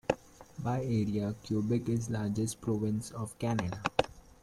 By area, Quebec is the largest province of Canada.